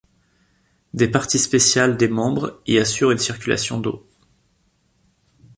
Des parties spéciales des membres y assurent une circulation d'eau.